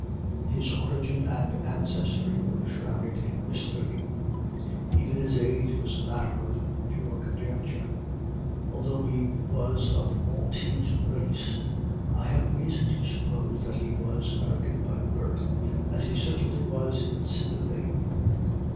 His origin and ancestry were shrouded in mystery; even his age was a matter of pure conjecture. Although he was of the Maltese race, I have reason to suppose that he was American by birth as he certainly was in sympathy.